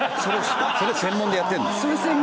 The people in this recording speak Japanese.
それ専門でやってる。